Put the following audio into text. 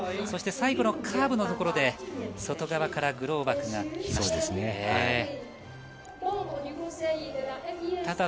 そして最後のカーブのところで外側からグローバクがきました。